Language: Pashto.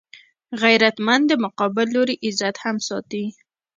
غیرتمند د مقابل لوري عزت هم ساتي